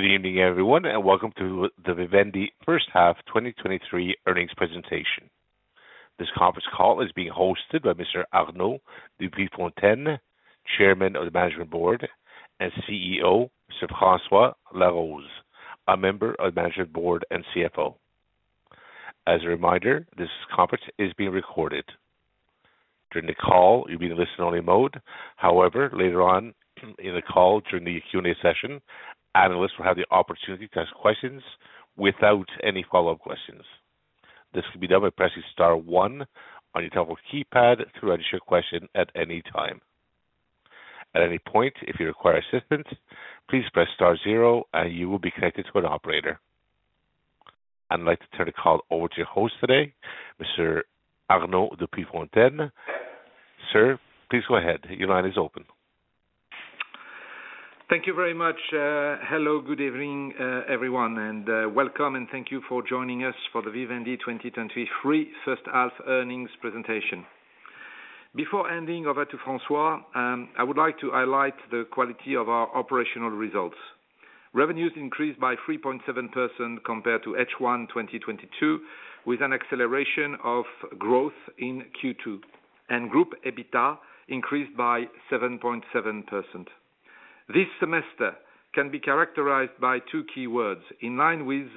Good evening, everyone, and welcome to the Vivendi first half 2023 earnings presentation. This conference call is being hosted by Mr. Arnaud de Puyfontaine, Chairman of the Management Board, and CEO, Mr. François Laroze, a member of the Management Board and CFO. As a reminder, this conference is being recorded. During the call, you'll be in listen-only mode. However, later on in the call, during the Q&A session, analysts will have the opportunity to ask questions without any follow-up questions. This will be done by pressing star one on your telephone keypad to register your question at any time. At any point, if you require assistance, please press star zero and you will be connected to an operator. I'd like to turn the call over to your host today, Mr. Arnaud de Puyfontaine. Sir, please go ahead. The line is open. Thank you very much. Hello, good evening, everyone, and welcome, and thank you for joining us for the Vivendi 2023 first half earnings presentation. Before handing over to François, I would like to highlight the quality of our operational results. Revenues increased by 3.7% compared to H1 2022, with an acceleration of growth in Q2, and group EBITDA increased by 7.7%. This semester can be characterized by two key words, in line with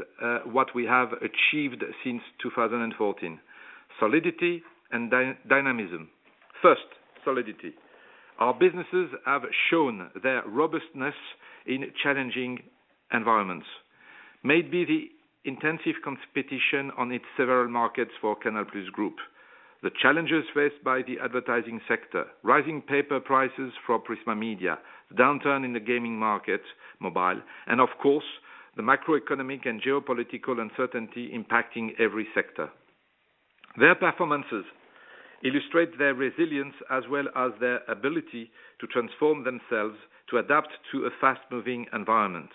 what we have achieved since 2014, solidity and dynamism. First, solidity. Our businesses have shown their robustness in challenging environments. May it be the intensive competition on its several markets for CANAL+ Group, the challenges faced by the advertising sector, rising paper prices for Prisma Media, downturn in the gaming market, mobile, and of course, the macroeconomic and geopolitical uncertainty impacting every sector. Their performances illustrate their resilience as well as their ability to transform themselves to adapt to a fast-moving environment.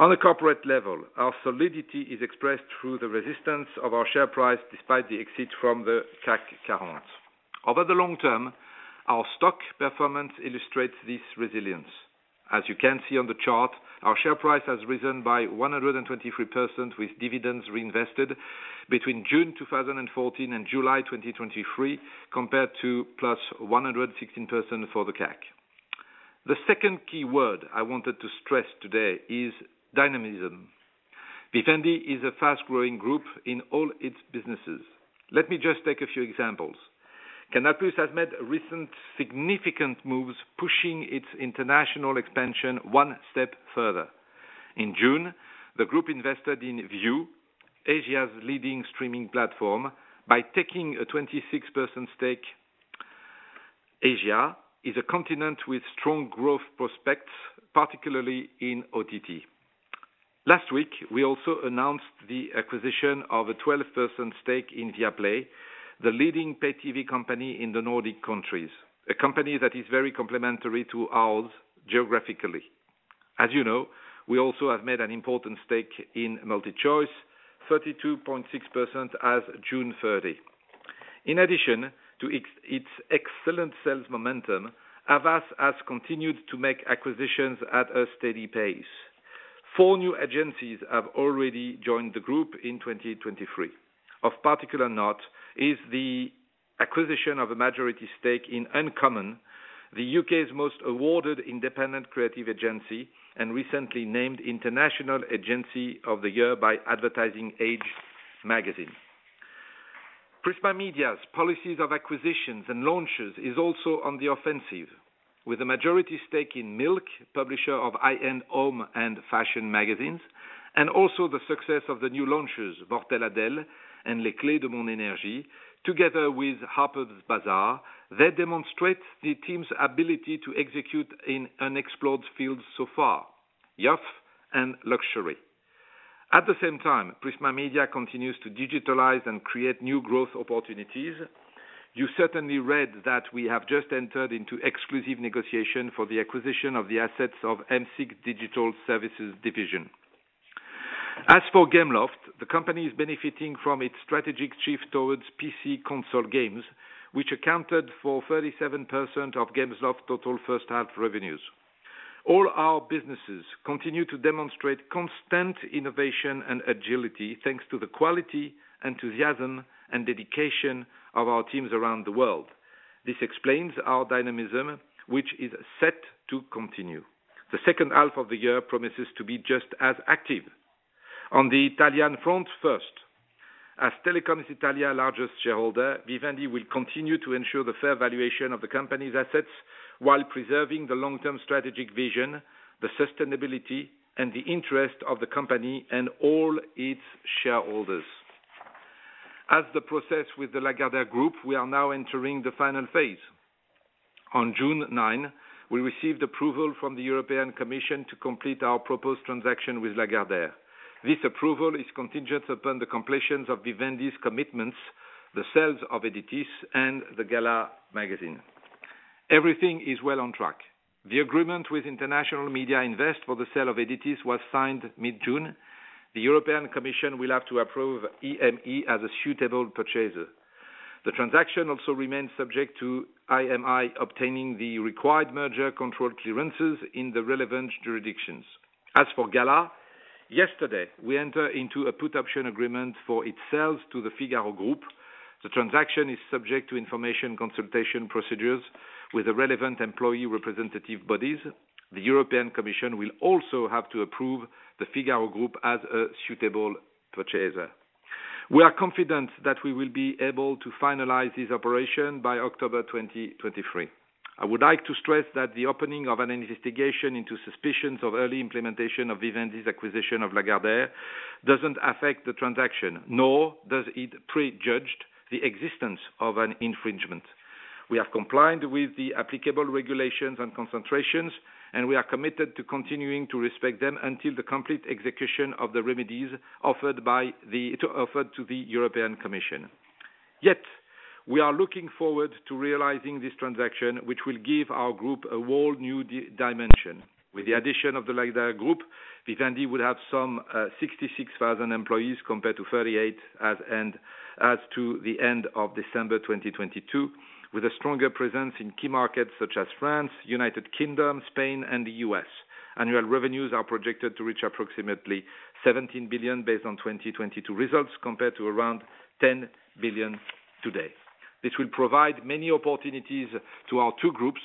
On a corporate level, our solidity is expressed through the resistance of our share price, despite the exit from the CAC 40. Over the long term, our stock performance illustrates this resilience. As you can see on the chart, our share price has risen by 123% with dividends reinvested between June 2014 and July 2023, compared to +116% for the CAC. The second key word I wanted to stress today is dynamism. Vivendi is a fast-growing group in all its businesses. Let me just take a few examples. CANAL+ has made recent significant moves, pushing its international expansion one step further. In June, the group invested in Viu, Asia's leading streaming platform, by taking a 26% stake. Asia is a continent with strong growth prospects, particularly in OTT. Last week, we also announced the acquisition of a 12% stake in Viaplay, the leading pay TV company in the Nordic countries, a company that is very complementary to ours geographically. As you know, we also have made an important stake in MultiChoice, 32.6% as of June 30. In addition to its excellent sales momentum, Havas has continued to make acquisitions at a steady pace. Four new agencies have already joined the group in 2023. Of particular note, is the acquisition of a majority stake in Uncommon, the UK's most awarded independent creative agency, and recently named International Agency of the Year by Ad Age magazine. Prisma Media's policies of acquisitions and launches is also on the offensive, with a majority stake in MilK, publisher of high-end Home and Fashion magazines, and also the success of the new launches, Mortelle Adèle and Les Clés de mon énergie, together with Harper's Bazaar, they demonstrate the team's ability to execute in unexplored fields so far, youth and luxury. At the same time, Prisma Media continues to digitalize and create new growth opportunities. You certainly read that we have just entered into exclusive negotiation for the acquisition of the assets of M6 Digital Services division. For Gameloft, the company is benefiting from its strategic shift towards PC console games, which accounted for 37% of Gameloft's total first half revenues. All our businesses continue to demonstrate constant innovation and agility, thanks to the quality, enthusiasm, and dedication of our teams around the world. This explains our dynamism, which is set to continue. The second half of the year promises to be just as active. On the Italian front first, as Telecom Italia's largest shareholder, Vivendi will continue to ensure the fair valuation of the company's assets while preserving the long-term strategic vision, the sustainability, and the interest of the company and all its shareholders. As the process with the Lagardère group, we are now entering the final phase. On June 9, we received approval from the European Commission to complete our proposed transaction with Lagardère. This approval is contingent upon the completions of Vivendi's commitments, the sales of Editis and the Gala magazine. Everything is well on track. The agreement with International Media Invest for the sale of Editis was signed mid-June. The European Commission will have to approve IMI as a suitable purchaser. The transaction also remains subject to IMI obtaining the required merger control clearances in the relevant jurisdictions. As for Gala, yesterday, we enter into a put option agreement for it sells to the Figaro group. The transaction is subject to information consultation procedures with the relevant employee representative bodies. The European Commission will also have to approve the Figaro group as a suitable purchaser. We are confident that we will be able to finalize this operation by October 2023. I would like to stress that the opening of an investigation into suspicions of early implementation of Vivendi's acquisition of Lagardère, doesn't affect the transaction, nor does it prejudge the existence of an infringement. We have complied with the applicable regulations and concentrations, and we are committed to continuing to respect them until the complete execution of the remedies to offer to the European Commission. Yet, we are looking forward to realizing this transaction, which will give our group a whole new dimension. With the addition of the Lagardère group, Vivendi will have some 66,000 employees compared to 38,000 as to the end of December 2022, with a stronger presence in key markets such as France, United Kingdom, Spain, and the U.S. Annual revenues are projected to reach approximately 17 billion based on 2022 results, compared to around 10 billion today. This will provide many opportunities to our two groups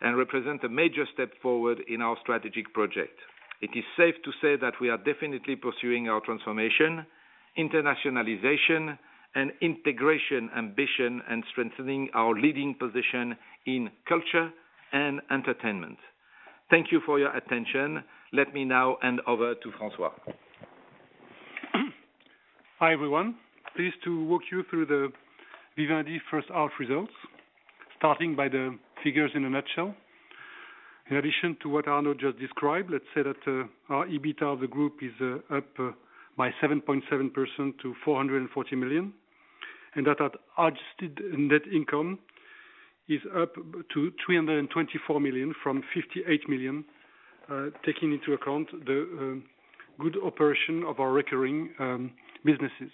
and represent a major step forward in our strategic project. It is safe to say that we are definitely pursuing our transformation, internationalization, and integration ambition, and strengthening our leading position in culture and entertainment. Thank you for your attention. Let me now hand over to François. Hi, everyone. Pleased to walk you through the Vivendi first half results, starting by the figures in a nutshell. In addition to what Arnaud just described, let's say that our EBITDA of the group is up by 7.7% to 440 million, and that our adjusted net income is up to 324 million from 58 million, taking into account the good operation of our recurring businesses.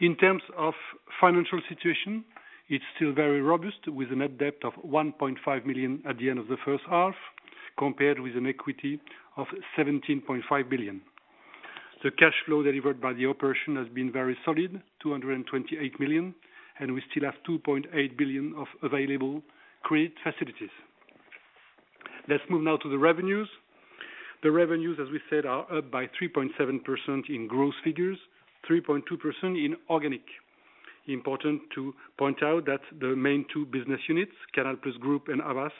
In terms of financial situation, it's still very robust, with a net debt of 1.5 billion at the end of the first half, compared with an equity of 17.5 billion. The cash flow delivered by the operation has been very solid, 228 million, we still have 2.8 billion of available credit facilities. Let's move now to the revenues. The revenues, as we said, are up by 3.7% in growth figures, 3.2% in organic. Important to point out that the main two business units, CANAL+ Group and Havas,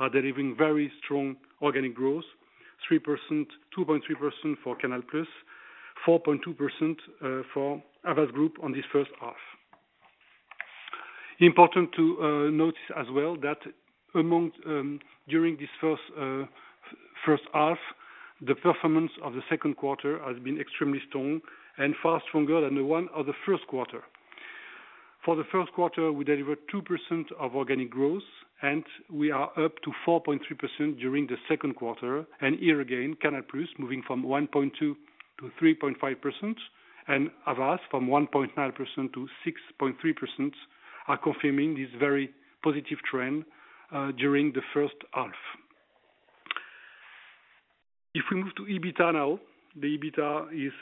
are delivering very strong organic growth. 3%, 2.3% for CANAL+, 4.2% for Havas group on this first half. Important to note as well, that among during this first half, the performance of the second quarter has been extremely strong and far stronger than the one of the first quarter. For the first quarter, we delivered 2% of organic growth, and we are up to 4.3% during the second quarter, and here again, CANAL+ moving from 1.2%-3.5%, and Havas from 1.9%-6.3%, are confirming this very positive trend during the first half. If we move to EBITDA now, the EBITDA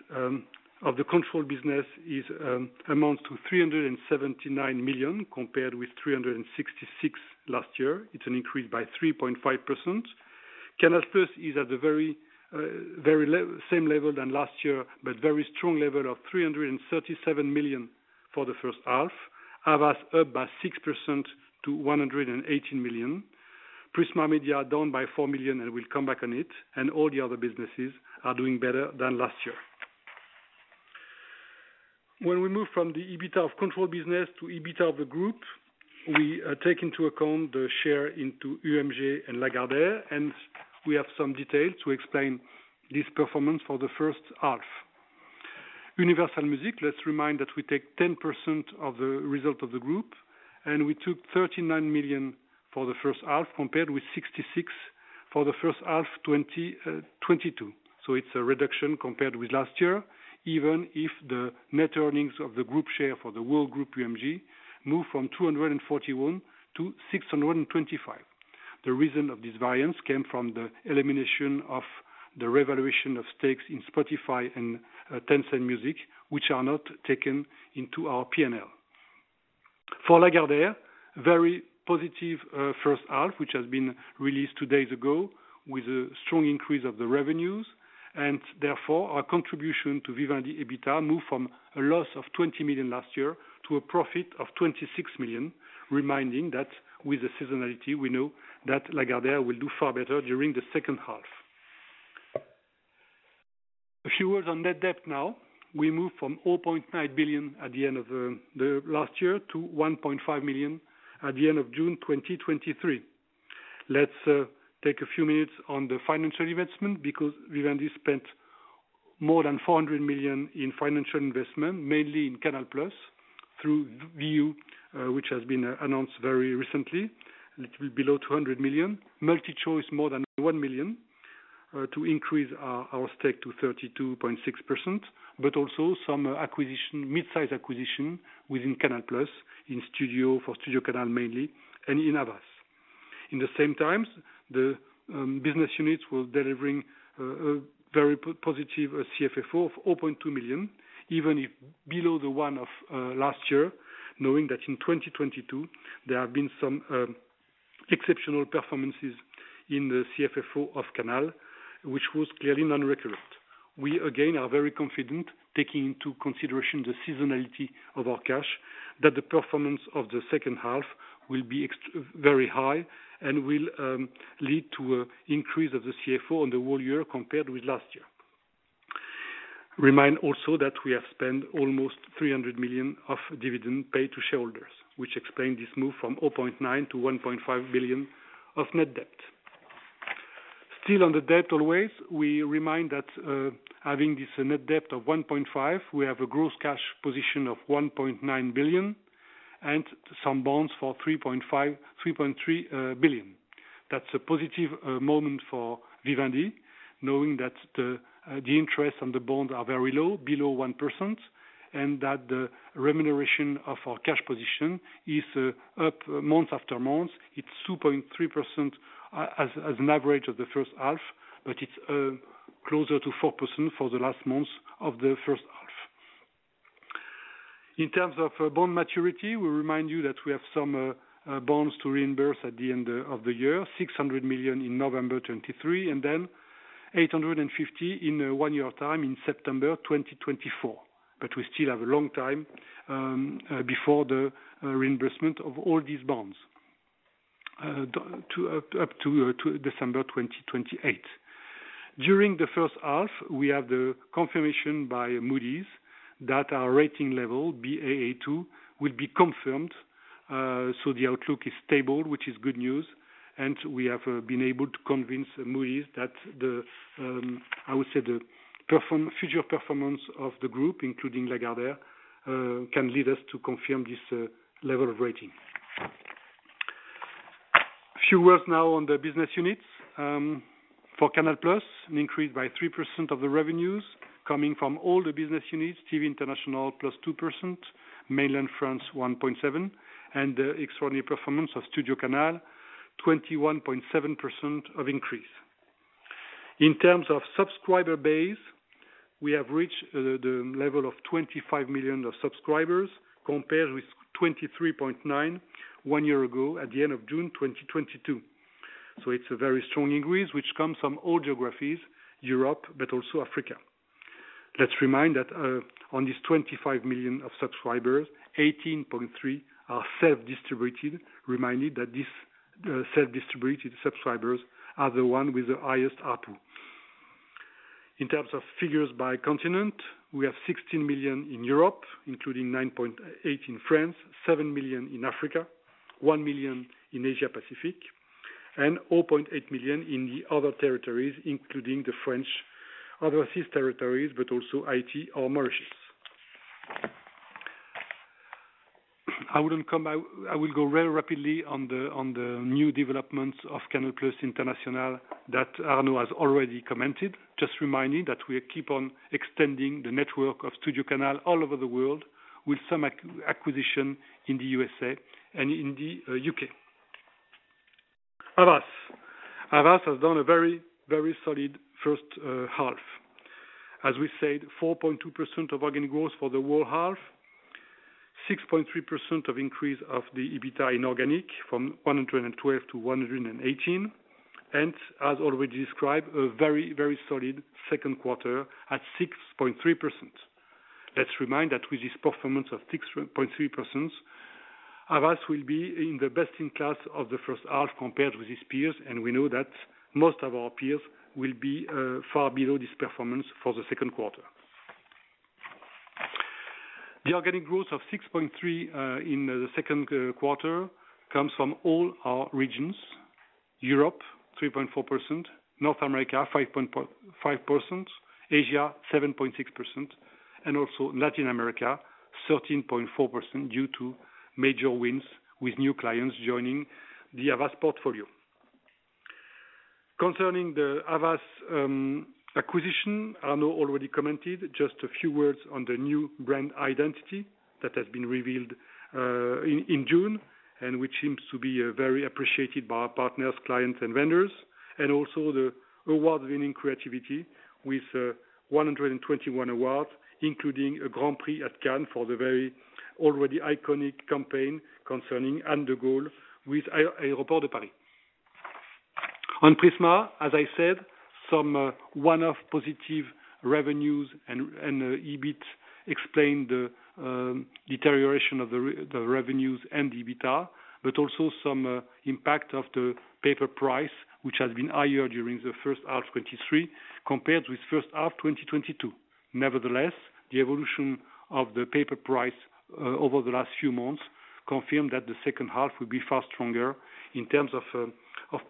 of the control business amounts to 379 million, compared with 366 million last year. It's an increase by 3.5%. CANAL+ is at the very same level than last year, but very strong level of 337 million for the first half. Havas, up by 6% to 118 million. Prisma Media, down by 4 million. We'll come back on it. All the other businesses are doing better than last year. When we move from the EBITDA of control business to EBITDA of the group, we take into account the share into UMG and Lagardère. We have some details to explain this performance for the first half. Universal Music, let's remind that we take 10% of the result of the group. We took 39 million for the first half, compared with 66 million for the first half 2022. It's a reduction compared with last year, even if the net earnings of the group share for the world group, UMG, moved from 241 million to 625 million. The reason of this variance came from the elimination of the revaluation of stakes in Spotify and Tencent Music, which are not taken into our P&L. For Lagardère, very positive first half, which has been released two days ago with a strong increase of the revenues. Therefore, our contribution to Vivendi EBITDA moved from a loss of 20 million last year to a profit of 26 million, reminding that with the seasonality, we know that Lagardère will do far better during the second half. A few words on net debt now. We moved from 0.9 billion at the end of the last year, to 1.5 billion at the end of June 2023. Let's take a few minutes on the financial investment because Vivendi spent more than 400 million in financial investment, mainly in CANAL+ through Viu, which has been announced very recently, and it will be below 200 million. MultiChoice, more than 100 million to increase our stake to 32.6%, but also some acquisition, mid-size acquisition within CANAL+ in studio, for STUDIOCANAL mainly, and in Havas. In the same times, the business units were delivering a very positive CFFO of 0.2 billion, even if below the one of last year, knowing that in 2022, there have been some exceptional performances in the CFFO of Canal, which was clearly non-recurrent. We again, are very confident, taking into consideration the seasonality of our cash, that the performance of the second half will be very high, and will lead to an increase of the CFFO on the whole year compared with last year. Remind also that we have spent almost 300 million of dividend paid to shareholders, which explained this move from 0.9 billion to 1.5 billion of net debt. Still on the debt always, we remind that, having this net debt of 1.5 billion, we have a gross cash position of 1.9 billion, and some bonds for 3.5 billion, 3.3 billion. That's a positive moment for Vivendi, knowing that the interest on the bonds are very low, below 1%, and that the remuneration of our cash position is up month after month. It's 2.3% as an average of the first half. It's closer to 4% for the last month of the first half. In terms of bond maturity, we remind you that we have some bonds to reimburse at the end of the year, 600 million in November 2023, and then 850 million in one year time, in September 2024. We still have a long time before the reimbursement of all these bonds up to December 2028. During the first half, we have the confirmation by Moody's that our rating level, Baa2, will be confirmed. The outlook is stable, which is good news, and we have been able to convince Moody's that the future performance of the group, including Lagardère, can lead us to confirm this level of rating. A few words now on the business units. For CANAL+, an increase by 3% of the revenues coming from all the business units, TV International, +2%, Mainland France, 1.7%, and the extraordinary performance of STUDIOCANAL, 21.7% of increase. In terms of subscriber base, we have reached the level of 25 million of subscribers, compared with 23.9 million, 1 year ago at the end of June 2022. It's a very strong increase, which comes from all geographies, Europe, but also Africa. Let's remind that, on these 25 million of subscribers, 18.3 million are self-distributed. Reminded that this self-distributed subscribers are the one with the highest ARPU. In terms of figures by continent, we have 16 million in Europe, including 9.8 million in France, 7 million in Africa, 1 million in Asia Pacific, and 0.8 million in the other territories, including the French other territories, but also Italy or Mauritius. I will go very rapidly on the new developments of CANAL+ International that Arnaud has already commented. Just reminding that we keep on extending the network of STUDIOCANAL all over the world with some acquisition in the USA and in the UK. Havas. Havas has done a very, very solid first half. As we said, 4.2% of organic growth for the whole half, 6.3% of increase of the EBITDA inorganic from 112 million-118 million. As already described, a very, very solid second quarter at 6.3%. Let's remind that with this performance of 6.3%, Havas will be in the best-in-class of the first half compared with its peers. We know that most of our peers will be far below this performance for the second quarter. The organic growth of 6.3% in the second quarter comes from all our regions: Europe, 3.4%, North America, 5%, Asia, 7.6%, Latin America, 13.4%, due to major wins with new clients joining the Havas portfolio. Concerning the Havas acquisition, Arnaud already commented, just a few words on the new brand identity that has been revealed in June, which seems to be very appreciated by our partners, clients, and vendors. Also the award-winning creativity with 121 awards, including a Grand Prix at Cannes for the very already iconic campaign concerning Anne de Gaulle with Aéroports de Paris. On Prisma, as I said, some one-off positive revenues and EBIT explained the deterioration of the revenues and EBITDA, also some impact of the paper price, which has been higher during the first half 2023, compared with first half 2022. Nevertheless, the evolution of the paper price over the last few months confirmed that the second half will be far stronger in terms of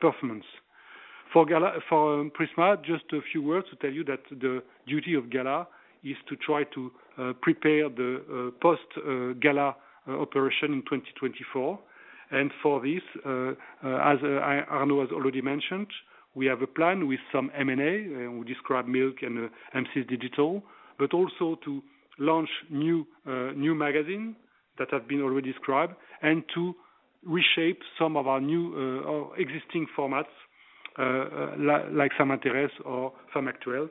performance. For Gala, for Prisma, just a few words to tell you that the duty of Gala is to try to prepare the post Gala operation in 2024. For this, as Arnaud has already mentioned, we have a plan with some M&A, and we describe MilK and M6 Digital, but also to launch new magazine that have been already described, and to reshape some of our new or existing formats, like special-interest or Femme Actuelle.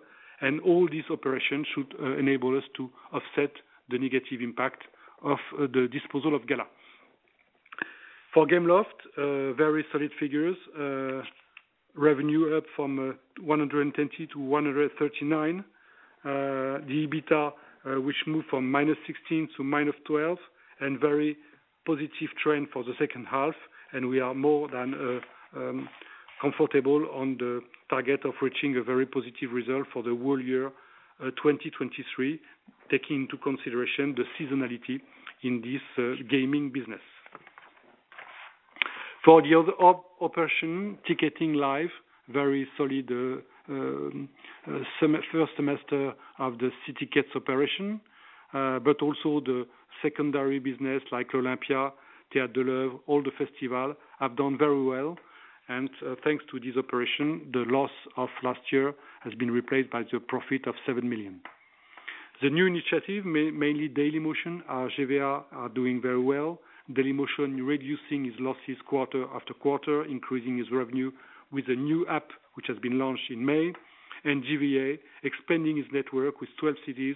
All these operations should enable us to offset the negative impact of the disposal of Gala. For Gameloft, very solid figures, revenue up from 120 million to 139 million. The EBITDA which moved from -16 million to -12 million. Very positive trend for the second half. We are more than comfortable on the target of reaching a very positive result for the whole year 2023, taking into consideration the seasonality in this gaming business. For the other operation, Ticketing Live, very solid first semester of the See Tickets operation, but also the secondary business like Olympia, Théâtre de l'Œuvre, all the festival, have done very well. Thanks to this operation, the loss of last year has been replaced by the profit of 7 million. The new initiative, mainly Dailymotion, GVA, are doing very well. Dailymotion reducing his losses quarter after quarter, increasing his revenue with a new app, which has been launched in May, and GVA expanding its network with 12 cities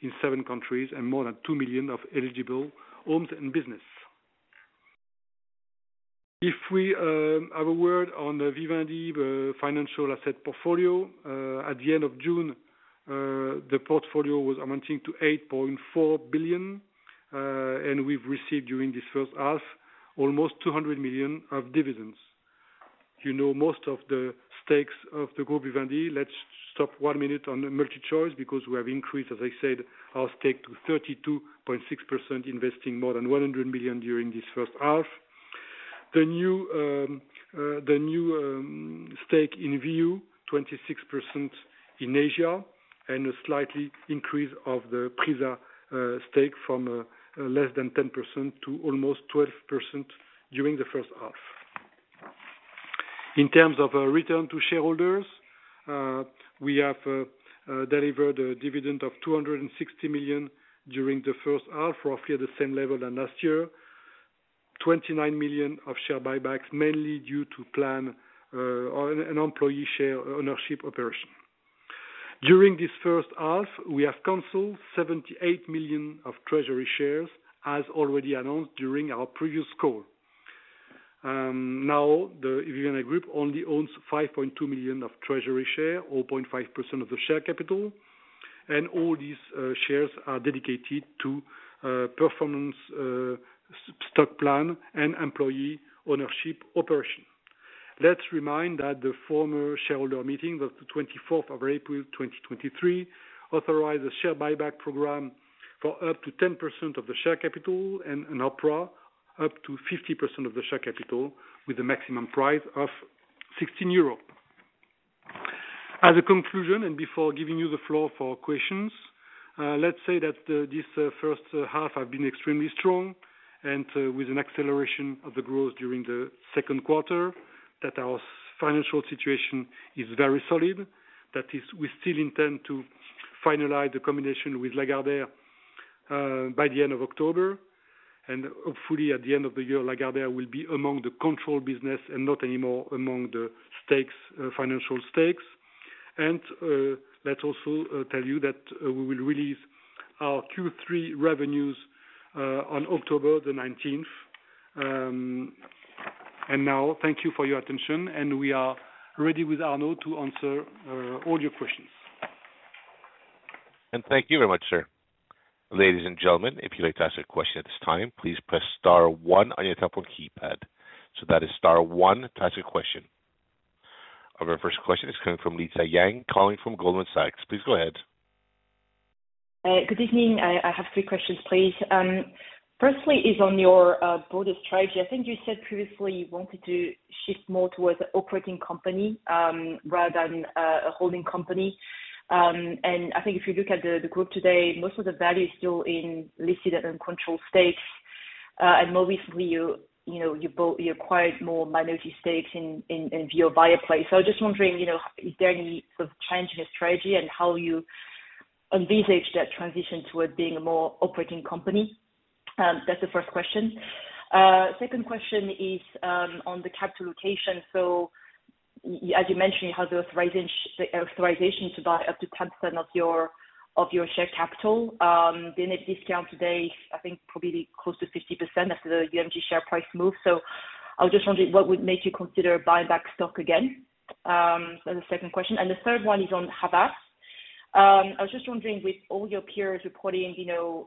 in 7 countries, and more than 2 million of eligible homes and business. If we have a word on the Vivendi, the financial asset portfolio, at the end of June, the portfolio was amounting to 8.4 billion, and we've received during this first half, almost 200 million of dividends. You know, most of the stakes of the group Vivendi, let's stop one minute on the MultiChoice, because we have increased, as I said, our stake to 32.6%, investing more than 100 million during this first half. The new, the new stake in Viu, 26% in Asia, and a slightly increase of the PRISA stake from less than 10% to almost 12% during the first half. In terms of a return to shareholders, we have delivered a dividend of 260 million during the first half, roughly at the same level than last year. 29 million of share buybacks, mainly due to plan on an employee share ownership operation. During this first half, we have canceled 78 million of treasury shares, as already announced during our previous call. Now, the Vivendi group only owns 5.2 million of treasury share, or 0.5% of the share capital, and all these shares are dedicated to performance stock plan and employee ownership operation. Let's remind that the former shareholder meeting of the 24th of April 2023, authorized a share buyback program for up to 10% of the share capital and an OPRA up to 50% of the share capital, with a maximum price of 16 euros. As a conclusion, before giving you the floor for questions, let's say that this first half has been extremely strong, with an acceleration of the growth during the second quarter, that our financial situation is very solid. That is, we still intend to finalize the combination with Lagardère by the end of October, and hopefully, at the end of the year, Lagardère will be among the control business and not anymore among the stakes, financial stakes. Let's also tell you that we will release our Q3 revenues on October 19th. Now, thank you for your attention, and we are ready with Arnaud to answer all your questions. Thank you very much, sir. Ladies and gentlemen, if you'd like to ask a question at this time, please press star one on your telephone keypad. That is star one to ask a question. Our first question is coming from Lisa Yang, calling from Goldman Sachs. Please go ahead. Good evening. I have three questions, please. Firstly, is on your broader strategy. I think you said previously you wanted to shift more towards an operating company, rather than a holding company. I think if you look at the group today, most of the value is still in listed and controlled stakes. More recently, you know, you acquired more minority stakes in Viaplay. I was just wondering, you know, is there any sort of change in your strategy and how you envisage that transition toward being a more operating company? That's the first question. Second question is on the capital allocation. As you mentioned, you have the authorization to buy up to 10% of your share capital, being at discount today, I think probably close to 50% after the UMG share price move. I was just wondering what would make you consider buying back stock again? That's the second question. The third one is on Havas. I was just wondering, with all your peers reporting, you know,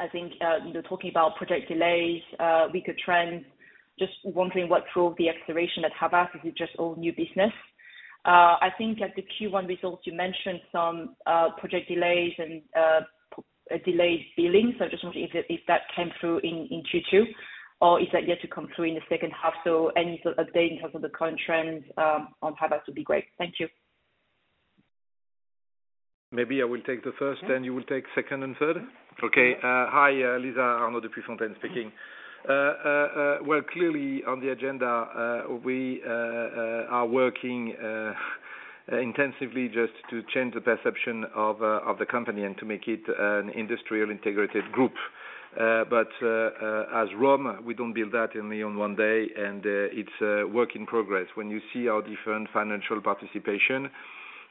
I think, you know, talking about project delays, weaker trends, just wondering what drove the exploration at Havas. Is it just all new business? I think at the Q1 results, you mentioned some project delays and delayed billing. I just wonder if that came through in Q2, or is that yet to come through in the second half? Any sort of update in terms of the current trends, on Havas would be great. Thank you. Maybe I will take the first, then you will take second and third. Okay. Hi, Lisa, Arnaud de Puyfontaine speaking. Well, clearly on the agenda, we are working intensively just to change the perception of the company and to make it an industrial integrated group. As ROM, we don't build that in only on one day, and it's a work in progress. When you see our different financial participation,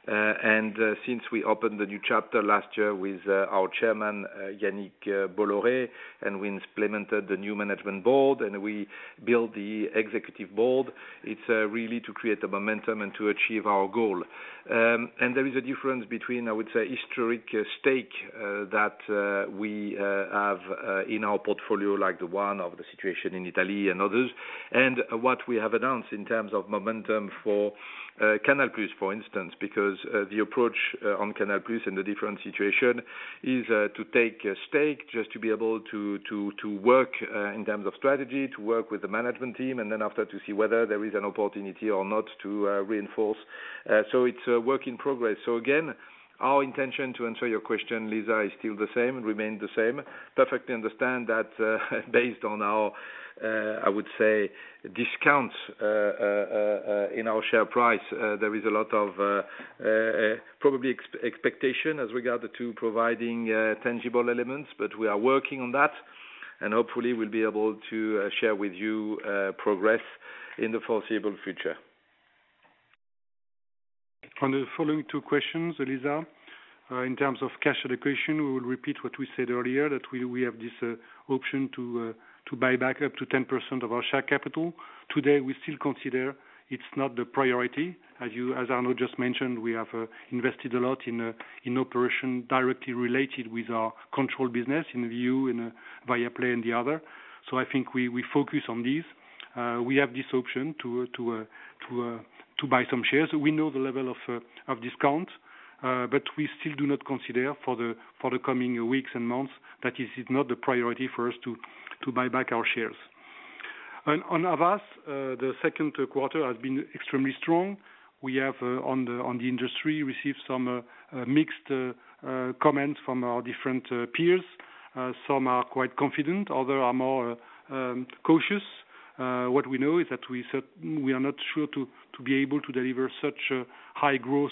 and since we opened the new chapter last year with our Chairman, Yannick Bolloré, and we implemented the new management board, and we built the executive board, it's really to create a momentum and to achieve our goal. There is a difference between, I would say, historic stake that we have in our portfolio, like the one of the situation in Italy and others, and what we have announced in terms of momentum for CANAL+, for instance, because the approach on CANAL+ and the different situation is to take a stake, just to be able to work in terms of strategy, to work with the management team, and then after, to see whether there is an opportunity or not to reinforce. It's a work in progress. Again, our intention, to answer your question, Lisa, is still the same, remain the same. Perfectly understand that, based on our, I would say, discounts, in our share price, there is a lot of, probably expectation as regard to providing tangible elements, but we are working on that, and hopefully we'll be able to share with you progress in the foreseeable future. On the following two questions, Lisa, in terms of cash allocation, we will repeat what we said earlier, that we have this option to buy back up to 10% of our share capital. Today, we still consider it's not the priority. As Arnaud just mentioned, we have invested a lot in operation directly related with our control business, in Viu, in Viaplay, and the other. I think we focus on this. We have this option to buy some shares. We know the level of discount, but we still do not consider for the coming weeks and months, that is not the priority for us to buy back our shares. On Havas, the second quarter has been extremely strong. We have on the industry, received some mixed comments from our different peers. Some are quite confident, others are more cautious. What we know is that we said we are not sure to be able to deliver such a high growth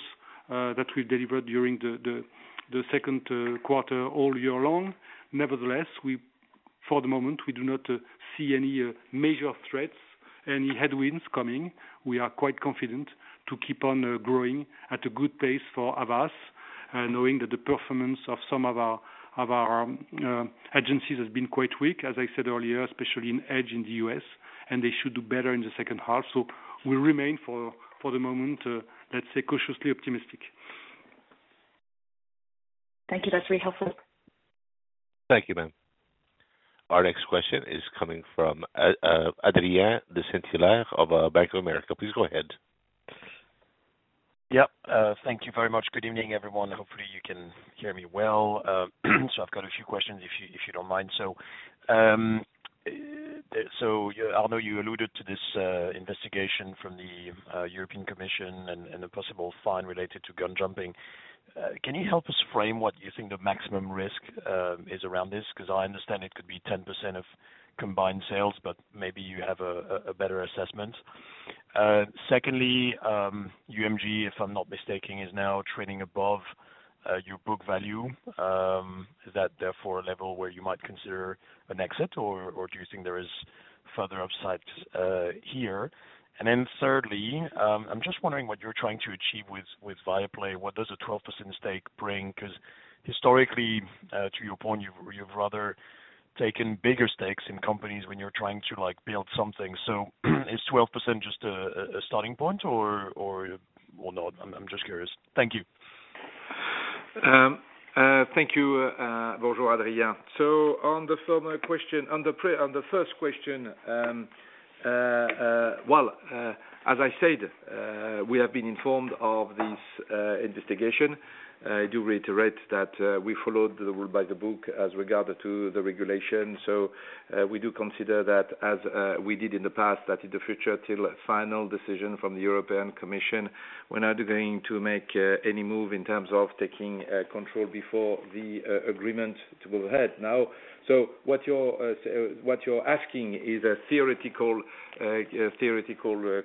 that we delivered during the second quarter all year long. Nevertheless, for the moment, we do not see any major threats, any headwinds coming. We are quite confident to keep on growing at a good pace for Havas, knowing that the performance of some of our agencies has been quite weak, as I said earlier, especially in Edge in the US, and they should do better in the second half. We remain for the moment, let's say, cautiously optimistic. Thank you. That's very helpful. Thank you, ma'am. Our next question is coming from Adrien de Saint-Hilaire of Bank of America. Please go ahead. Yep. Thank you very much. Good evening, everyone. Hopefully, you can hear me well. I've got a few questions, if you don't mind. Yeah, Arnaud, you alluded to this investigation from the European Commission and a possible fine related to gun jumping. Can you help us frame what you think the maximum risk is around this? Because I understand it could be 10% of combined sales, but maybe you have a better assessment. Secondly, UMG, if I'm not mistaken, is now trading above your book value. Is that therefore a level where you might consider an exit, or do you think there is further upsides here? Thirdly, I'm just wondering what you're trying to achieve with Viaplay. What does a 12% stake bring? 'Cause historically, to your point, you've rather taken bigger stakes in companies when you're trying to, like, build something. Is 12% just a starting point or what not? I'm just curious. Thank you. Thank you. Bonjour, Adrien. On the former question, on the first question, well, as I said, we have been informed of this investigation. I do reiterate that we followed the rule by the book as regard to the regulation. We do consider that as we did in the past, that in the future, till a final decision from the European Commission, we're not going to make any move in terms of taking control before the agreement to go ahead now. What you're asking is a theoretical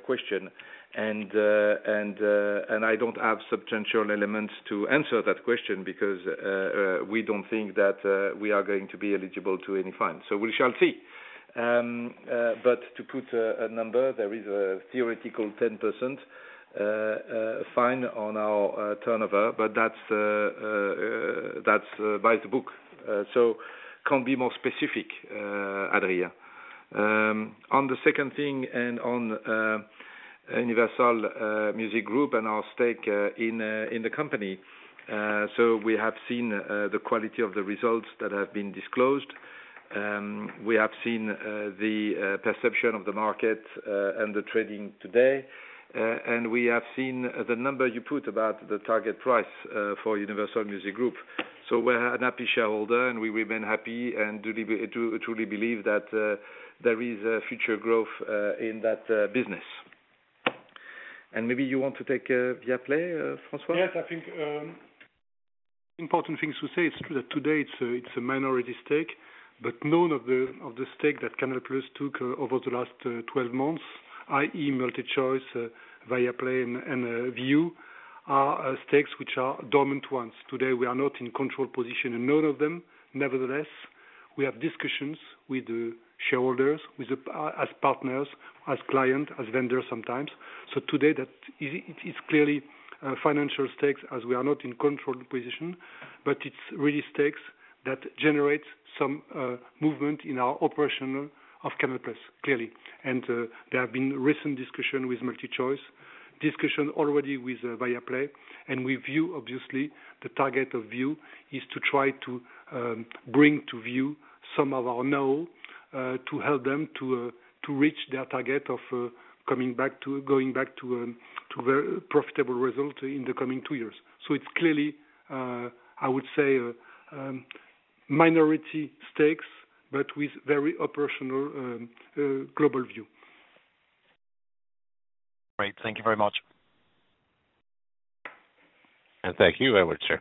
question, and I don't have substantial elements to answer that question because we don't think that we are going to be eligible to any fine. We shall see. To put a number, there is a theoretical 10% fine on our turnover, but that's that's by the book, so can't be more specific, Adrien. On the second thing and on Universal Music Group and our stake in the company, we have seen the quality of the results that have been disclosed. We have seen the perception of the market and the trading today. We have seen the number you put about the target price for Universal Music Group. We're a happy shareholder, and we remain happy, and do truly believe that there is a future growth in that business. Maybe you want to take Viaplay, François? Yes, I think important things to say is that today it's a minority stake, but none of the stake that CANAL+ took over the last 12 months, i.e. MultiChoice, Viaplay, and Viu, are stakes which are dormant ones. Today, we are not in control position in none of them. Nevertheless, we have discussions with the shareholders, with the partners, as client, as vendors, sometimes. It is clearly financial stakes as we are not in control position, but it's really stakes that generate some movement in our operational of CANAL+, clearly. There have been recent discussion with MultiChoice, discussion already with Viaplay, and with Viu. Obviously, the target of Viu is to try to bring to Viu some of our know, to help them to reach their target of going back to very profitable result in the coming 2 years. It's clearly, I would say, minority stakes, but with very operational global view. Great. Thank you very much. Thank you very much, sir.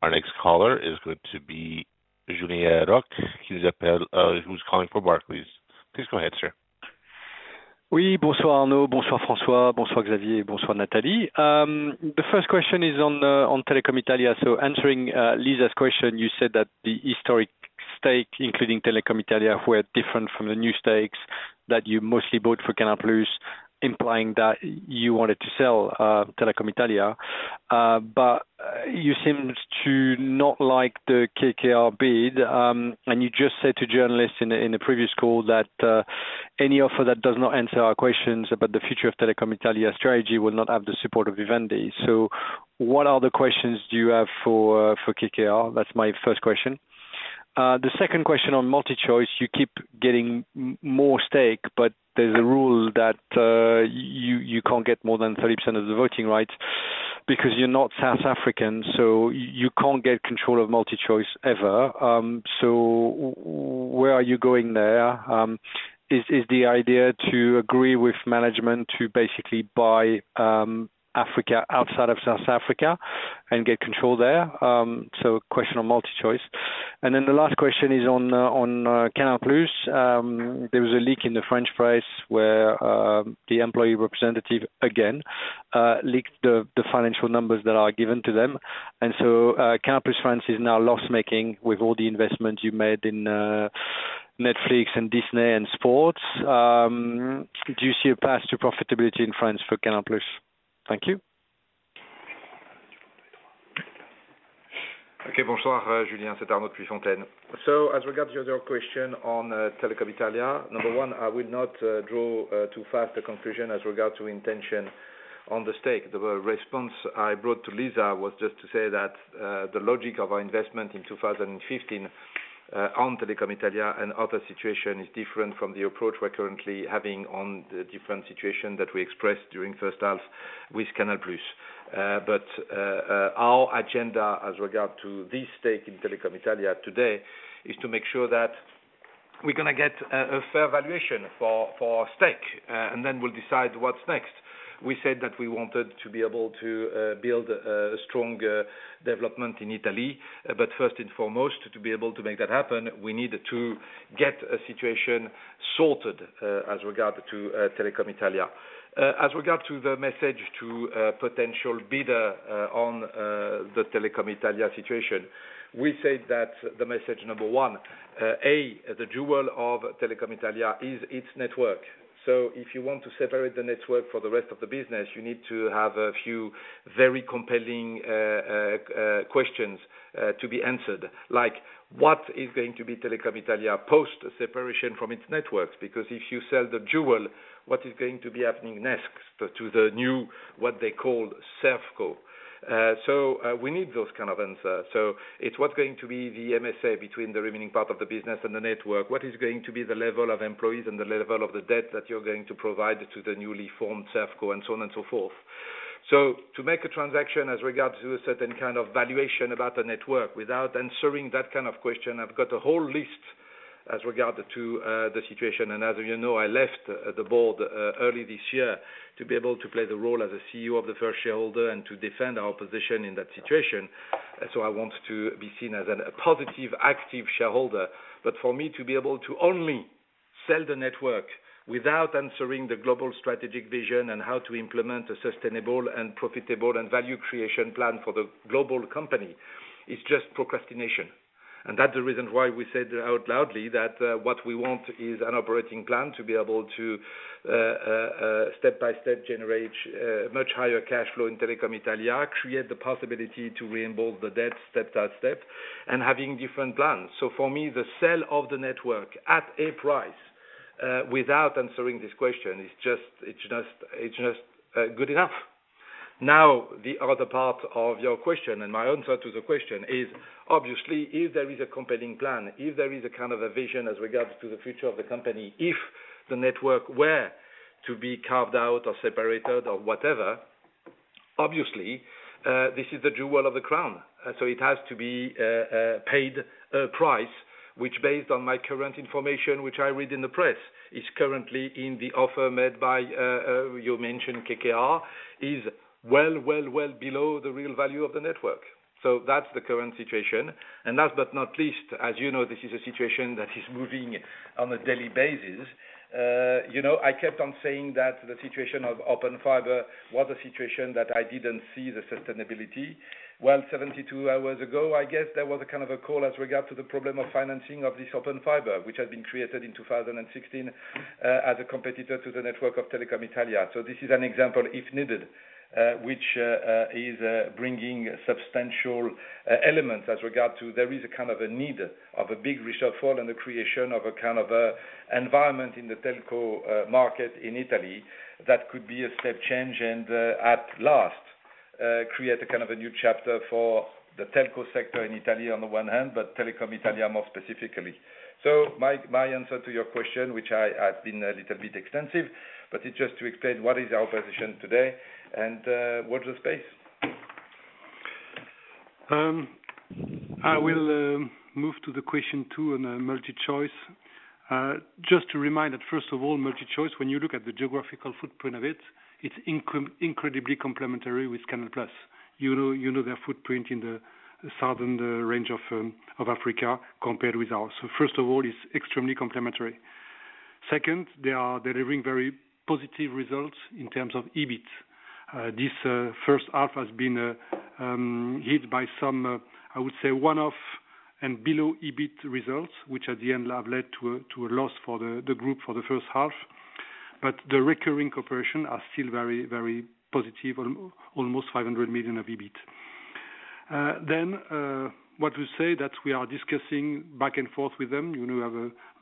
Our next caller is going to be Julien Roch, who's calling from Barclays. Please go ahead, sir. We also know François, Xavier, Nathalie. The first question is on Telecom Italia. So answering Lisa's question, you said that the historic stake, including Telecom Italia, were different from the new stakes that you mostly bought for CANAL+, implying that you wanted to sell Telecom Italia. You seemed to not like the KKR bid. You just said to journalists in a previous call that, "Any offer that does not answer our questions about the future of Telecom Italia strategy, will not have the support of Vivendi." What other questions do you have for KKR? That's my first question. The second question on MultiChoice, you keep getting more stake, but there's a rule that you can't get more than 30% of the voting rights because you're not South African, so you can't get control of MultiChoice ever. Where are you going there? Is the idea to agree with management to basically buy Africa outside of South Africa and get control there? Question on MultiChoice. The last question is on CANAL+. There was a leak in the French press where the employee representative, again, leaked the financial numbers that are given to them. CANAL+ France is now loss-making with all the investments you made in Netflix and Disney and sports. Do you see a path to profitability in France for CANAL+? Thank you. Bonsoir, Julien. As regard to your other question on Telecom Italia, 1, I will not draw too fast a conclusion as regard to intention on the stake. The response I brought to Lisa was just to say that the logic of our investment in 2015 on Telecom Italia, and other situation is different from the approach we're currently having on the different situation that we expressed during first half with CANAL+. Our agenda as regard to this stake in Telecom Italia today, is to make sure that we're gonna get a fair valuation for our stake, and then we'll decide what's next. We said that we wanted to be able to build a strong development in Italy. First and foremost, to be able to make that happen, we need to get a situation sorted, as regard to Telecom Italia. As regard to the message to potential bidder on the Telecom Italia situation, we said that the message number one, A, the jewel of Telecom Italia is its network. If you want to separate the network for the rest of the business, you need to have a few very compelling questions to be answered. Like, what is going to be Telecom Italia post-separation from its networks? If you sell the jewel, what is going to be happening next to the new, what they call ServCo. We need those kind of answers. It's what's going to be the MSA between the remaining part of the business and the network? What is going to be the level of employees and the level of the debt that you're going to provide to the newly formed ServCo, and so on and so forth. To make a transaction as regards to a certain kind of valuation about the network, without answering that kind of question, I've got a whole list as regard to the situation. As you know, I left the board early this year to be able to play the role as a CEO of the first shareholder and to defend our position in that situation. I want to be seen as an positive, active shareholder. For me to be able to only sell the network without answering the global strategic vision, and how to implement a sustainable and profitable and value creation plan for the global company, is just procrastination. That's the reason why we said out loudly that what we want is an operating plan to be able to step by step, generate much higher cash flow in Telecom Italia, create the possibility to reimburse the debt step by step, and having different plans. For me, the sale of the network at a price without answering this question, it's just good enough? Now, the other part of your question, and my answer to the question is obviously, if there is a compelling plan, if there is a kind of a vision as regards to the future of the company, if the network were to be carved out or separated or whatever, obviously, this is the jewel of the crown. It has to be paid a price, which based on my current information, which I read in the press, is currently in the offer made by you mentioned KKR, is well below the real value of the network. That's the current situation. Last but not least, as you know, this is a situation that is moving on a daily basis. You know, I kept on saying that the situation of Open Fiber was a situation that I didn't see the sustainability. 72 hours ago, I guess, there was a kind of a call as regard to the problem of financing of this Open Fiber, which had been created in 2016, as a competitor to the network of Telecom Italia. This is an example, if needed, which is bringing substantial elements as regard to there is a kind of a need of a big reshuffle and the creation of a kind of a environment in the telco market in Italy. That could be a step change and at last create a kind of a new chapter for the telco sector in Italy, on the one hand, but Telecom Italia, more specifically. My answer to your question, which I have been a little bit extensive, but it is just to explain what is our position today and watch the space. I will move to the question two on MultiChoice. Just to remind that, first of all, MultiChoice, when you look at the geographical footprint of it, it's incredibly complementary with CANAL+. You know their footprint in the southern range of Africa compared with ours. First of all, it's extremely complementary. Second, they are delivering very positive results in terms of EBIT. This first half has been hit by some, I would say, one-off and below EBIT results, which at the end have led to a loss for the group for the first half. The recurring cooperation are still very, very positive, almost 500 million of EBIT. What we say that we are discussing back and forth with them, you know, we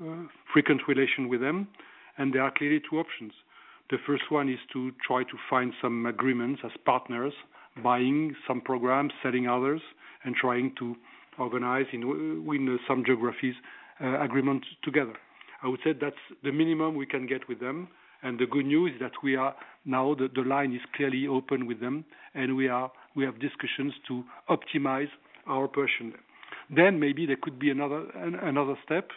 have a frequent relation with them, there are clearly two options. The first one is to try to find some agreements as partners, buying some programs, selling others, and trying to organize in some geographies, agreements together. I would say that's the minimum we can get with them, the good news is that we are now the line is clearly open with them, we have discussions to optimize our position. Maybe there could be another, another step,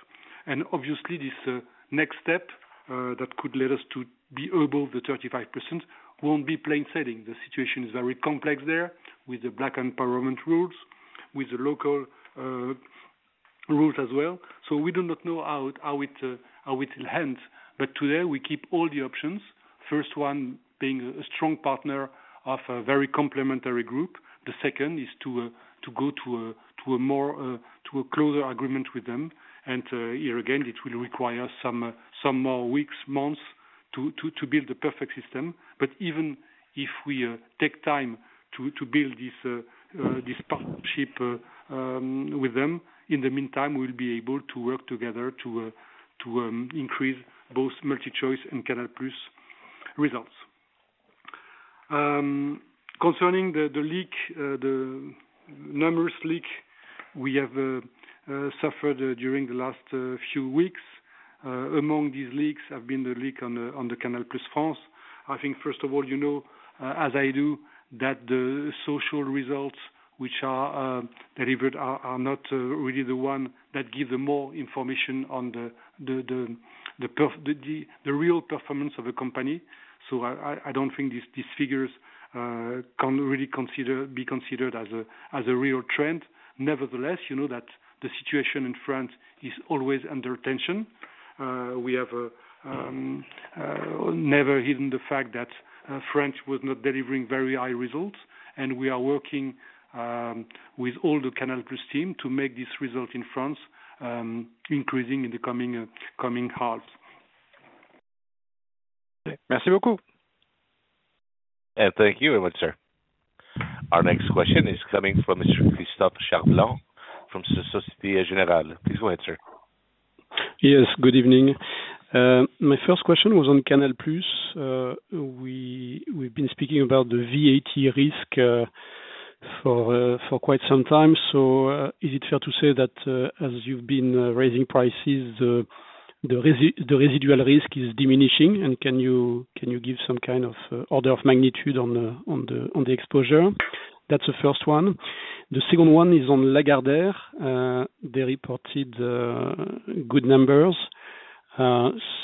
obviously this next step that could lead us to be above the 35%, won't be plain sailing. The situation is very complex there, with the black empowerment rules, with the local rules as well. We do not know how it will end, but today we keep all the options. First one, being a strong partner of a very complementary group. The second is to go to a closer agreement with them. Here again, it will require some more weeks, months to build the perfect system. Even if we take time to build this partnership with them, in the meantime, we'll be able to work together to increase both MultiChoice and CANAL+ results. Concerning the leak, the numerous leak we have suffered during the last few weeks. Among these leaks have been the leak on the CANAL+ France. I think, first of all, you know, as I do, that the social results which are delivered are not really the one that give them more information on the real performance of a company. I don't think these figures can really be considered as a real trend. Nevertheless, you know that the situation in France is always under tension. We have never hidden the fact that France was not delivering very high results, and we are working with all the CANAL+ team to make this result in France increasing in the coming half. Merci beaucoup. Thank you very much, sir. Our next question is coming from Mr. Christophe Cherblanc, from Société Générale. Please go ahead, sir. Yes, good evening. My first question was on CANAL+. We've been speaking about the VAT risk for quite some time. Is it fair to say that as you've been raising prices, the residual risk is diminishing? Can you give some kind of order of magnitude on the exposure? That's the first one. The second one is on Lagardère. They reported good numbers. What's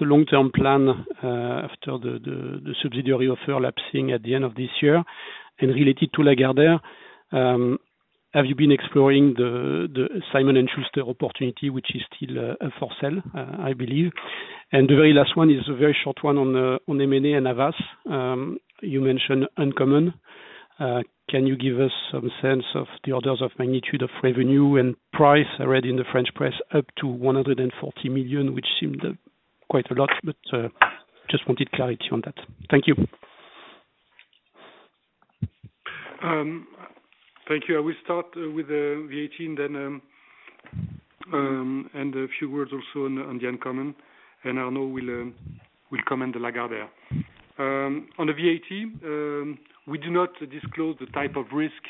the long-term plan after the subsidiary of lapsing at the end of this year? Related to Lagardère, have you been exploring the Simon & Schuster opportunity, which is still for sale, I believe? The very last one is a very short one on M&A and Havas. You mentioned Uncommon. Can you give us some sense of the orders of magnitude of revenue and price? I read in the French press up to 140 million, which seemed quite a lot, but just wanted clarity on that. Thank you. Thank you. I will start with the VAT and then, and a few words also on the Uncommon, and I know we'll come in the Lagardère. On the VAT, we do not disclose the type of risk,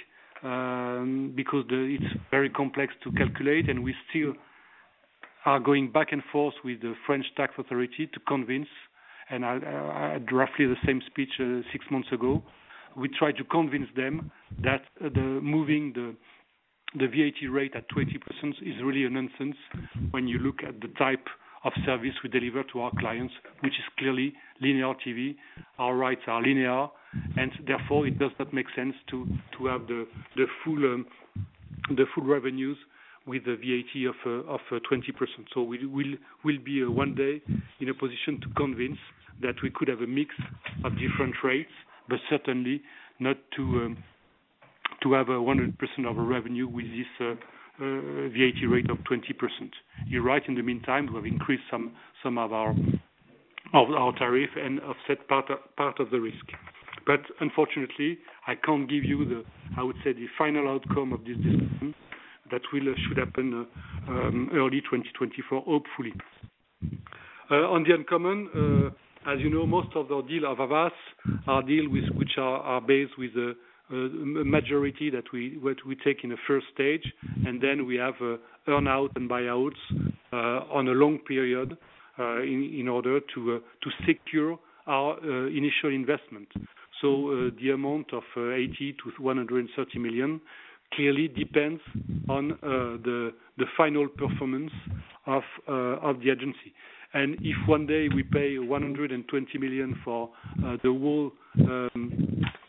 because it's very complex to calculate, and we still are going back and forth with the French tax authority to convince, and I had roughly the same speech six months ago. We tried to convince them that the moving the VAT rate at 20% is really a nonsense when you look at the type of service we deliver to our clients, which is clearly linear TV, our rights are linear, and therefore, it does not make sense to have the full revenues with the VAT of 20%. We'll be a one day in a position to convince that we could have a mix of different rates, but certainly not to have a 100% of our revenue with this VAT rate of 20%. You're right, in the meantime, we've increased some of our tariff and offset part of the risk. Unfortunately, I can't give you the, I would say, the final outcome of this discussion that should happen early 2024, hopefully. On the Uncommon, as you know, most of our deal of Havas, our deal with which are based with the majority that we take in the first stage, and then we have earn out and buyouts on a long period in order to secure our initial investment. The amount of 80 million-130 million clearly depends on the final performance of the agency. If one day we pay 120 million for the whole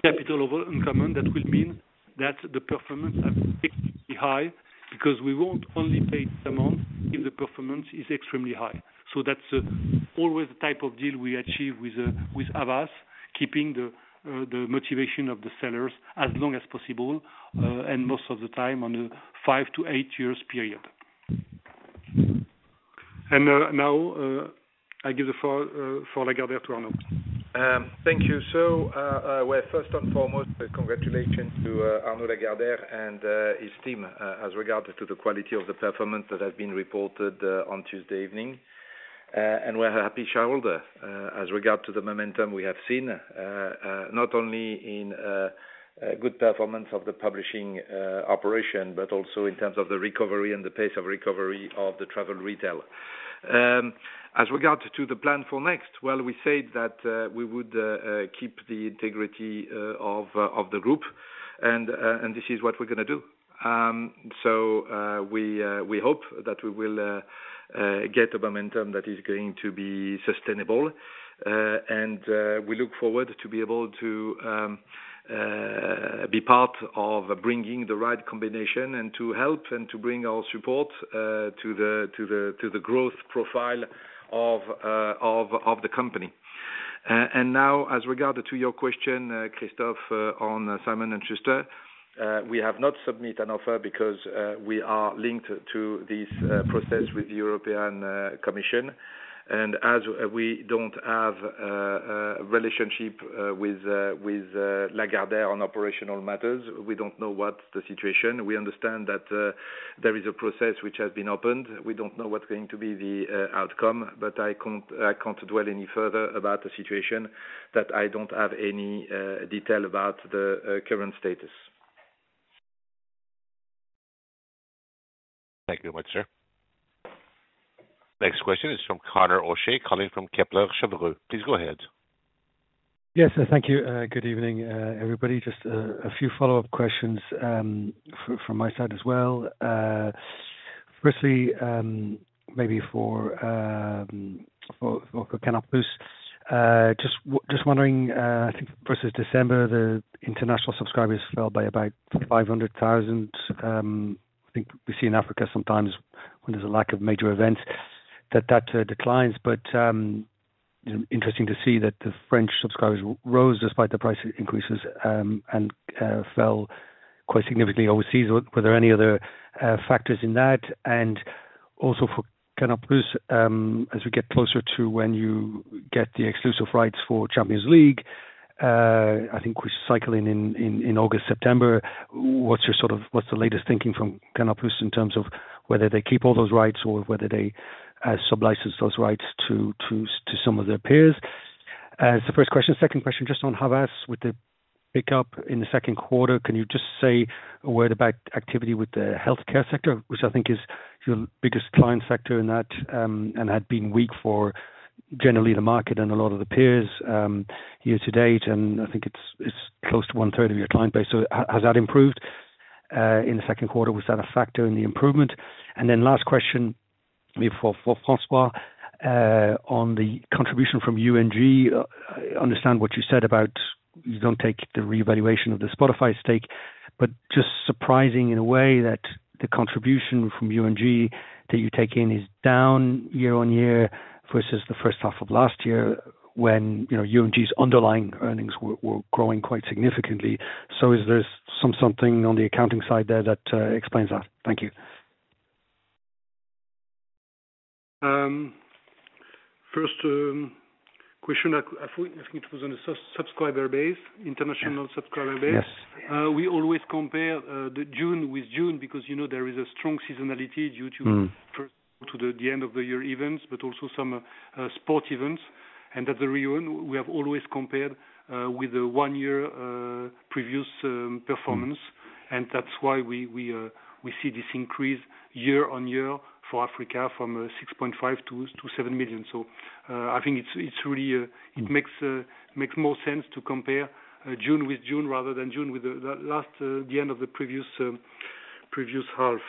capital of Uncommon, that will mean that the performance are extremely high, because we won't only pay the amount if the performance is extremely high. That's always the type of deal we achieve with Havas, keeping the motivation of the sellers as long as possible, and most of the time on a five to eight years period. Now, I give the floor for Lagardère to Arnaud. Thank you. Well, first and foremost, congratulations to Arnaud Lagardère and his team, as regard to the quality of the performance that has been reported on Tuesday evening. We're a happy shareholder, as regard to the momentum we have seen, not only in a good performance of the publishing operation, but also in terms of the recovery and the pace of recovery of the travel retail. As regard to the plan for next, well, we said that we would keep the integrity of the group, and this is what we're gonna do. We hope that we will get a momentum that is going to be sustainable, and we look forward to be able to be part of bringing the right combination and to help and to bring our support to the growth profile of the company. Now, as regarded to your question, Christophe, on Simon & Schuster, we have not submitted an offer because we are linked to this process with the European Commission. As we don't have a relationship with Lagardère on operational matters, we don't know what's the situation. We understand that there is a process which has been opened. We don't know what's going to be the outcome, but I can't dwell any further about the situation that I don't have any detail about the current status. Thank you very much, sir. Next question is from Conor O'Shea calling from Kepler Cheuvreux. Please go ahead. Yes, thank you. Good evening, everybody. Just a few follow-up questions from my side as well. Firstly, maybe for CANAL+. Just wondering, I think versus December, the international subscribers fell by about 500,000. I think we see in Africa sometimes when there's a lack of major events, that declines, but interesting to see that the French subscribers rose despite the price increases, and fell quite significantly overseas. Were there any other factors in that? Also for CANAL+, as we get closer to when you get the exclusive rights for UEFA Champions League, I think we're cycling in August, September, what's your sort of what's the latest thinking from CANAL+ in terms of whether they keep all those rights or whether they sublicense those rights to some of their peers? It's the first question. Second question, just on Havas, with the pickup in the second quarter, can you just say a word about activity with the healthcare sector, which I think is your biggest client sector in that, and had been weak for generally the market and a lot of the peers, year to date, and I think it's close to one third of your client base. Has that improved in the second quarter? Was that a factor in the improvement? Last question, maybe for François, on the contribution from UMG, I understand what you said about you don't take the revaluation of the Spotify stake, but just surprising in a way that the contribution from UMG that you take in is down year-on-year versus the first half of last year, when, you know, UMG's underlying earnings were growing quite significantly. Is there something on the accounting side there that explains that? Thank you. First, I think it was on a subscriber base, international subscriber base. Yes. We always compare the June with June because, you know, there is a strong seasonality. Mm. year events, but also some sport events. At La Réunion, we have always compared with the one year previous performance. That's why we see this increase year-on-year for Africa from 6.5 million to 7 million. I think it's really, it makes more sense to compare June with June rather than June with the last, the end of the previous previous half.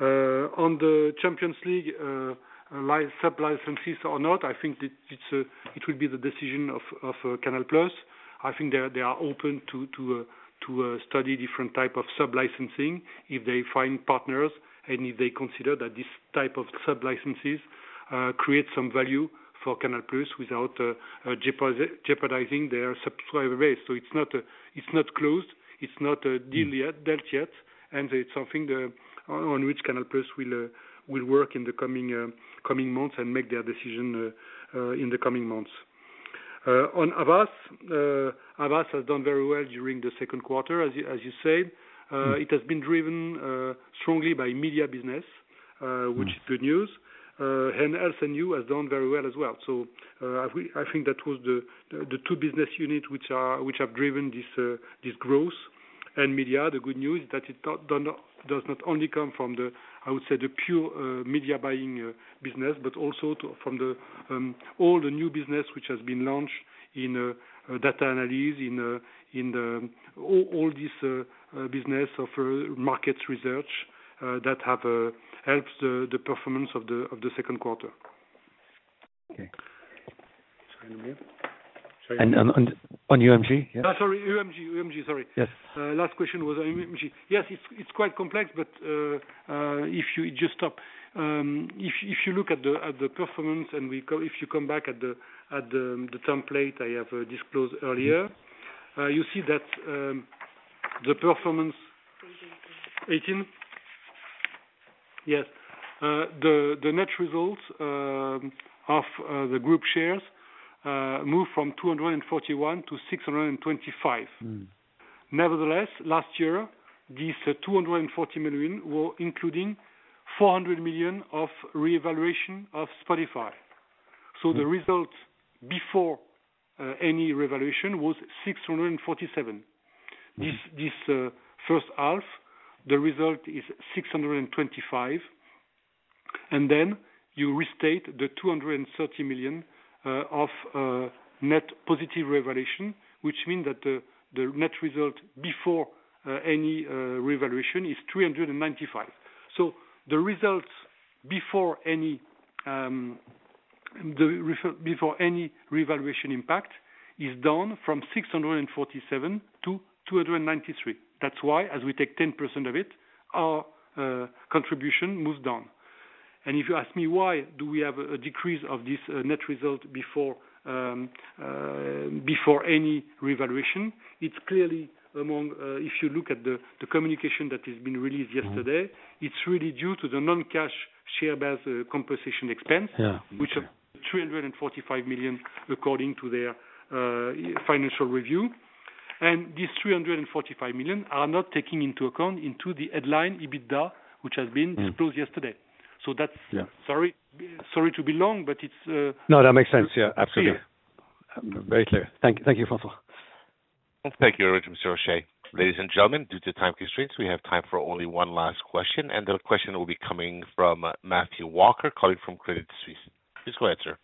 On the Champions League, sublicensees or not, I think it's, it will be the decision of CANAL+. I think they are open to study different type of sub-licensing if they find partners and if they consider that this type of sub-licenses create some value for CANAL+ without jeopardizing their subscriber base. It's not closed, it's not a deal yet, dealt yet, and it's something on which CANAL+ will work in the coming months and make their decision in the coming months. On Havas, Havas has done very well during the second quarter, as you said. It has been driven strongly by media business, which is good news. Health & You has done very well as well. I think that was the two business unit which have driven this growth. Media, the good news is that it does not only come from the, I would say, the pure media buying business, but also from the all the new business which has been launched in data analysis, in all this business of market research, that have helped the performance of the second quarter. Okay. Sorry, yeah. On UMG? Yeah. sorry, UMG, UMG. Sorry. Yes. Last question was on UMG. Yes, it's, it's quite complex, but, if you just stop, if you look at the performance and if you come back at the template I have disclosed earlier. Yeah. You see that, the performance- 18? Yes. The net results of the group shares moved from 241 million-625 million. Mm. Nevertheless, last year, these 240 million were including 400 million of revaluation of Spotify. The result before any revaluation was 647 million. Mm. This first half, the result is 625 million. Then you restate the 230 million of net positive revaluation, which mean that the net result before any revaluation is 395 million. The results before any revaluation impact, is down from 647 to 293 million. That's why, as we take 10% of it, our contribution moves down. If you ask me why do we have a decrease of this net result before any revaluation? It's clearly among if you look at the communication that has been released yesterday. Mm. it's really due to the non-cash share base, compensation expense. Yeah. Which are 345 million, according to their financial review. These 345 million are not taking into account into the headline EBITDA. Mm. disclosed yesterday. That's... Yeah. Sorry to be long, but it's. No, that makes sense. Yeah, absolutely. Clear. Very clear. Thank you. Thank you, François. Thank you very much, Mr. O'Shea. Ladies and gentlemen, due to time constraints, we have time for only one last question, the question will be coming from Matthew Walker, calling from Credit Suisse. Please go ahead, sir.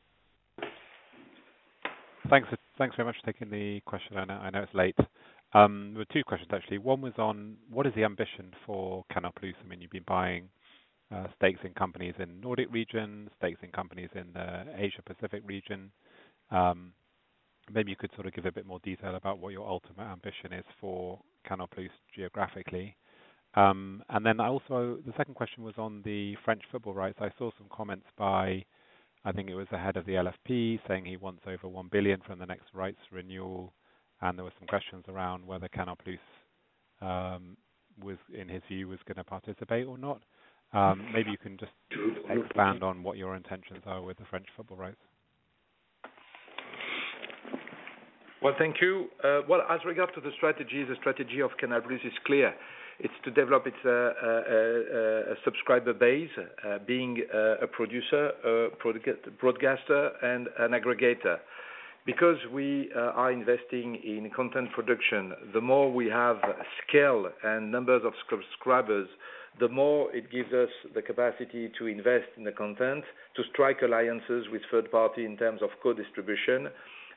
Thanks. Thanks very much for taking the question. I know it's late. There were two questions, actually. One was on, what is the ambition for CANAL+? I mean, you've been buying stakes in companies in Nordic region, stakes in companies in the Asia Pacific region. Maybe you could sort of give a bit more detail about what your ultimate ambition is for CANAL+ geographically. The second question was on the French football rights. I saw some comments by, I think it was the head of the LFP, saying he wants over 1 billion from the next rights renewal, there were some questions around whether CANAL+, in his view, gonna participate or not. Maybe you can just expand on what your intentions are with the French football rights. Well, thank you. Well, as regard to the strategy, the strategy of CANAL+ is clear. It's to develop its subscriber base, being a producer, broadcaster and an aggregator. Because we are investing in content production, the more we have scale and numbers of subscribers, the more it gives us the capacity to invest in the content, to strike alliances with third party in terms of co-distribution,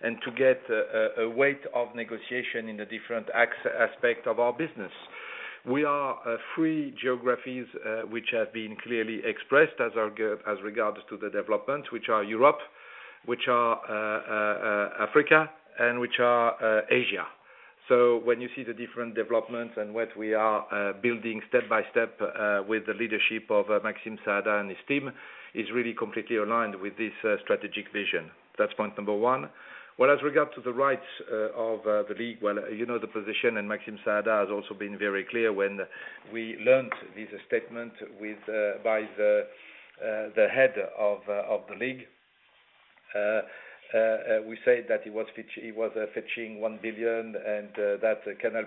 and to get a weight of negotiation in the different aspect of our business. We are three geographies which have been clearly expressed as our as regards to the development, which are Europe, which are Africa, and which are Asia. When you see the different developments and what we are building step by step, with the leadership of Maxime Saada and his team, is really completely aligned with this strategic vision. That's point number one. As regard to the rights of the league, you know, the position, and Maxime Saada has also been very clear when we learned this statement with by the head of the league. We said that it was fetching 1 billion and that CANAL+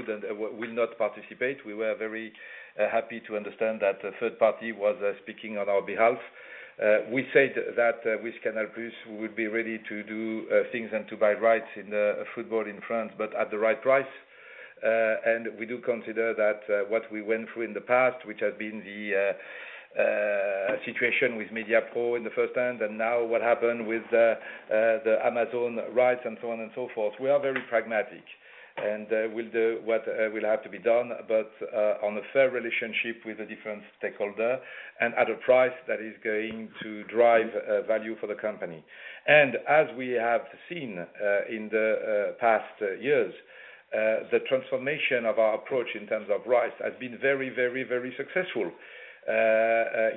will not participate. We were very happy to understand that a third party was speaking on our behalf. We said that with CANAL+, we would be ready to do things and to buy rights in the football in France, but at the right price. And we'll do what will have to be done, but on a fair relationship with the different stakeholder and at a price that is going to drive value for the company. As we have seen in the past years, the transformation of our approach in terms of rights has been very, very, very successful.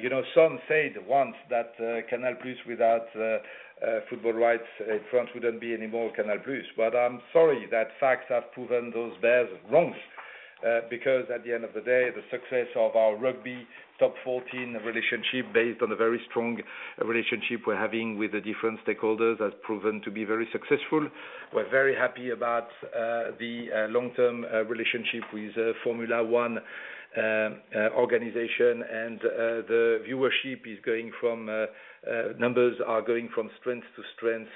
You know, some said once that CANAL+ without football rights in France wouldn't be anymore CANAL+, but I'm sorry that facts have proven those bears wrong. Because at the end of the day, the success of our rugby Top 14 relationship, based on a very strong relationship we're having with the different stakeholders, has proven to be very successful. We're very happy about the long-term relationship with Formula 1 organization. The viewership numbers are going from strength to strength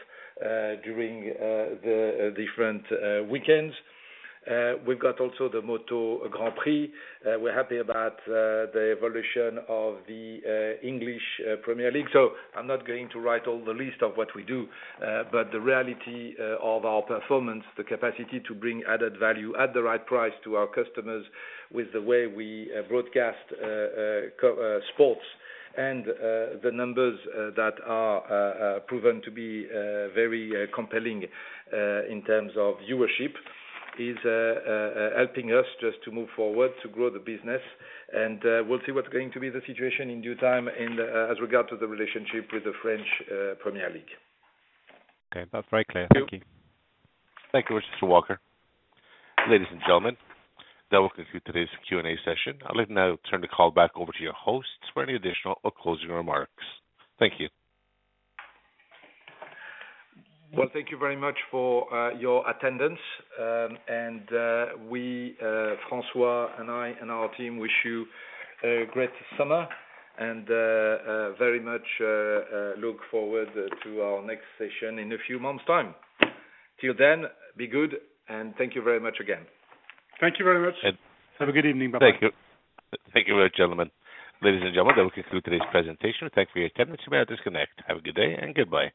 during the different weekends. We've got also the MotoGP. We're happy about the evolution of the English Premier League. I'm not going to write all the list of what we do, but the reality of our performance, the capacity to bring added value at the right price to our customers, with the way we broadcast sports and the numbers that are proven to be very compelling in terms of viewership, is helping us just to move forward, to grow the business. We'll see what's going to be the situation in due time as regard to the relationship with the French Premier League. Okay. That's very clear. Thank you. Thank you, Mr. Walker. Ladies and gentlemen, that will conclude today's Q&A session. I'll let now turn the call back over to your hosts for any additional or closing remarks. Thank you. Thank you very much for your attendance, and we, François and I, and our team wish you a great summer, and very much look forward to our next session in a few months' time. Till then, be good, and thank you very much again. Thank you very much. Have a good evening. Bye-bye. Thank you. Thank you very much, gentlemen. Ladies and gentlemen, that will conclude today's presentation. Thank you for your attendance. You may now disconnect. Have a good day, and goodbye.